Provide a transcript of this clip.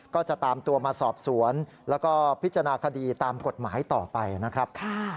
ก็จะตามตัวมาสอบสวนแล้วก็พิจารณาคดีตามกฎหมายต่อไปนะครับ